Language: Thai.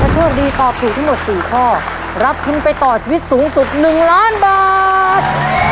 กระโชคดีตอบถูกที่หมดสี่ข้อรับทุนไปต่อชีวิตสูงสักหนึ่งล้านบาท